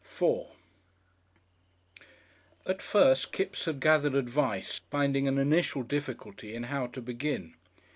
§4 At first Kipps had gathered advice, finding an initial difficulty in how to begin.